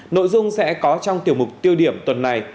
nội dung sẽ có trong tiểu mục tiêu điểm tuần này